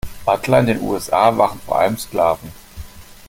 Butler in den U S A waren vor allem Sklaven.